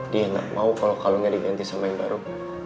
dia gak mau kalo kalungnya diganti sama yang baru